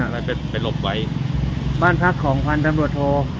อะไรเป็นเป็นหลบไว้บ้านพักของพาลดำรวจโท